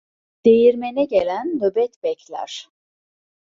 Değirmene gelen nöbet bekler.